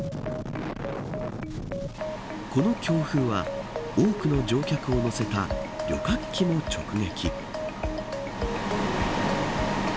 この強風は多くの乗客を乗せた旅客機も直撃。